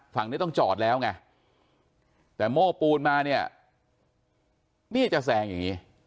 ฝั่งนี้ต้องจอดแล้วไงแต่โม้ปูนมาเนี่ยนี่จะแซงอย่างนี้